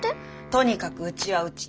とにかくうちはうち。